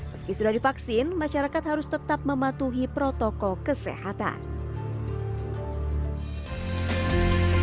meski sudah divaksin masyarakat harus tetap mematuhi protokol kesehatan